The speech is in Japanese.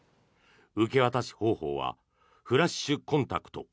受け渡し方法はフラッシュコンタクト。